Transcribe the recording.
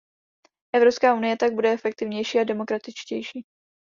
Evropská unie tak bude efektivnější a demokratičtější.